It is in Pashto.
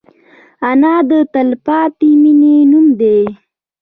انا د تلپاتې مینې نوم دی